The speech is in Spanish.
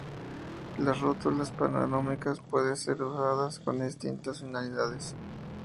Las rótulas panorámicas puede ser usadas con distintas finalidades.